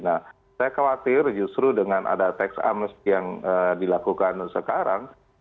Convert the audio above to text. nah saya khawatir justru dengan ada tax amnesty yang dilakukan sekarang